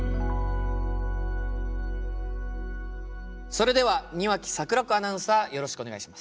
それでは庭木櫻子アナウンサーよろしくお願いします。